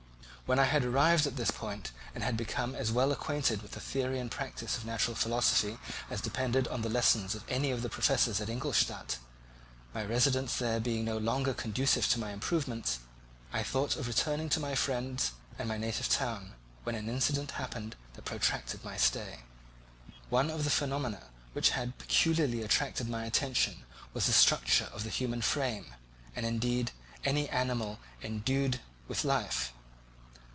When I had arrived at this point and had become as well acquainted with the theory and practice of natural philosophy as depended on the lessons of any of the professors at Ingolstadt, my residence there being no longer conducive to my improvements, I thought of returning to my friends and my native town, when an incident happened that protracted my stay. One of the phenomena which had peculiarly attracted my attention was the structure of the human frame, and, indeed, any animal endued with life.